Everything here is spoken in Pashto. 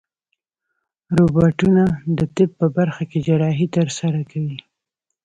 روبوټونه د طب په برخه کې جراحي ترسره کوي.